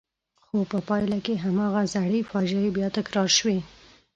خو په پایله کې هماغه زړې فاجعې بیا تکرار شوې.